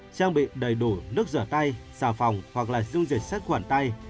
trang bị đầy đủ nước rửa tay xào phòng hoặc dung dịch sách quản tay